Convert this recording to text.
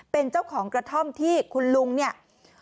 เป็นเจ้าของกระท่อมที่คุณลุงเนี่ย